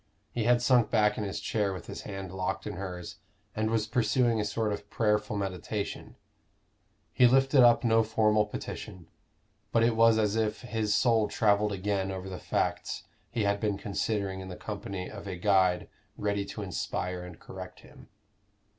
He had sunk back in his chair with his hand locked in hers, and was pursuing a sort of prayerful meditation: he lifted up no formal petition, but it was as if his soul travelled again over the facts he had been considering in the company of a guide ready to inspire and correct him.